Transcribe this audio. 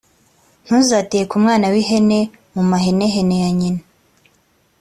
ntuzateke umwana w’ihene mu mahenehene ya nyina.